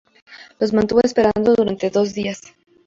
Los mantuvo esperando durante dos días.